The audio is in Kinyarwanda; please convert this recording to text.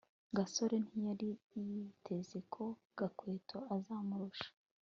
gasore ntiyari yiteze ko gakwego azamurusha